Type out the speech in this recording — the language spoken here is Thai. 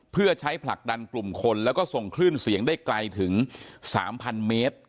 เพื่อใช้ผลักดันกลุ่มคนแล้วก็ส่งคลื่นเสียงได้ไกลถึง๓๐๐เมตร